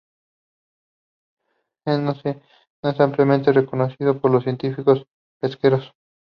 Él no es ampliamente reconocido por los científicos pesqueros.